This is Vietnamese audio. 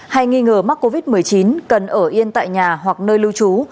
hay nghi ngờ mắc covid một mươi chín cần ở yên tại nhà hoặc nơi lưu trú